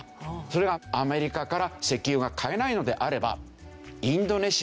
それがアメリカから石油が買えないのであれば。